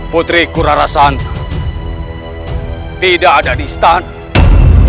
putriku rarasanta tidak ada di istana